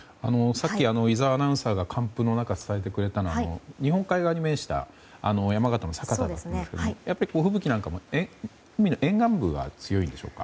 さっき井澤アナウンサーが、寒風の中伝えてくれたのは日本海側に面した山形の酒田というところなんですがやっぱり吹雪なんかも沿岸部が強いんでしょうか。